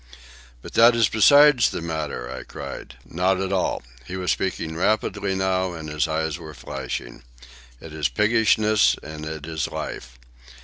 "But that is beside the matter," I cried. "Not at all." He was speaking rapidly now, and his eyes were flashing. "It is piggishness, and it is life.